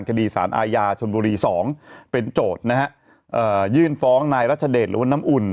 คดีสารอาญาชนบุรีสองเป็นโจทย์นะฮะเอ่อยื่นฟ้องนายรัชเดชหรือว่าน้ำอุ่น